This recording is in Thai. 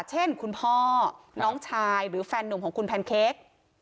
เช่นคุณพ่อน้องชายหรือแฟนหนุ่มของคุณแพนเค้ก